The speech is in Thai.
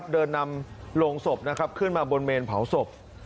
เดินนำโรงศพขึ้นมาบนเมนเผาศพ